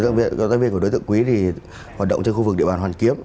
cộng tác viên của đối tượng quý thì hoạt động trên khu vực địa bàn hoàn kiếp